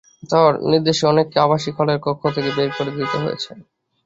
তাঁর নির্দেশে অনেককে আবাসিক হলের কক্ষ থেকে বের করে দিতে হয়েছে।